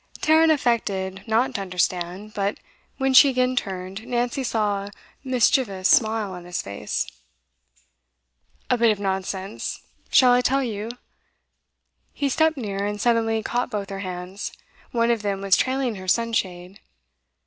Tarrant affected not to understand; but, when she again turned, Nancy saw a mischievous smile on his face. 'A bit of nonsense. Shall I tell you?' He stepped near, and suddenly caught both her hands, one of them was trailing her sunshade.